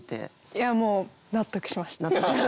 いやもう納得しました。